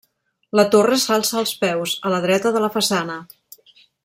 La torre s'alça als peus, a la dreta de la façana.